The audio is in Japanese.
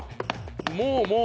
もうもう。